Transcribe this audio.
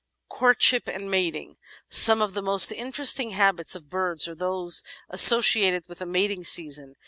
Courtship and Mating Some of the most interesting habits of birds are those as sociated with the mating season.